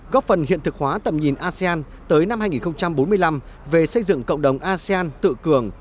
góp phần hiện thực hóa tầm nhìn asean tới năm hai nghìn bốn mươi năm về xây dựng cộng đồng asean tự cường